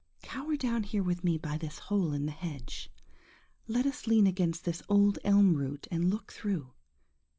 Cower down here with me by this hole in the hedge;–let us lean against this old elm root and look through.